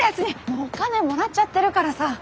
もうお金もらっちゃってるからさ。